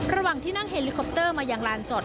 ระหว่างที่นั่งเฮลิคอปเตอร์มายังลานจอด